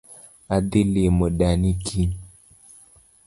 Adhii limo dani kiny